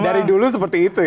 dulu seperti itu ya